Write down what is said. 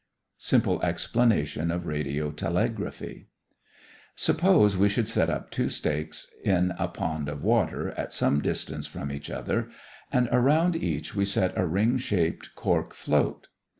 SIMPLE EXPLANATION OF RADIOTELEGRAPHY Suppose we should set up two stakes in a pond of water, at some distance from each other, and around each we set a ring shaped cork float.